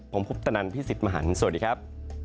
ผมพุทธนันทร์พี่สิทธิ์มหารสวัสดีครับ